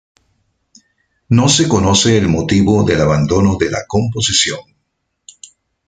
No se conoce el motivo del abandono de la composición.